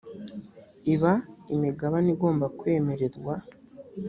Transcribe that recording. iba imigabane igomba kwemererwa